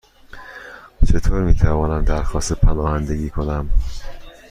چطور می توانم درخواست پناهندگی کنم؟